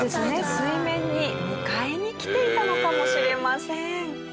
水面に迎えに来ていたのかもしれません。